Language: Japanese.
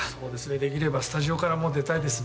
できればスタジオから出たいですね。